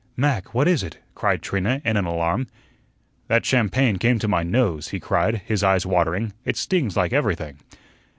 "Mac, what is it?" cried Trina in alarm. "That champagne came to my nose," he cried, his eyes watering. "It stings like everything."